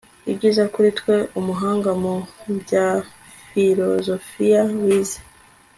ibyiza kuri twe umuhanga mu bya filozofiya wize